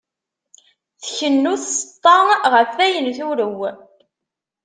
Tkennu tseṭṭa ɣef wayen turew.